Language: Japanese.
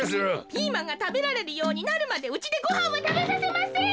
ピーマンがたべられるようになるまでうちでごはんはたべさせません！